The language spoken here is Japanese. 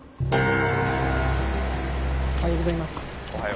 おはようございます。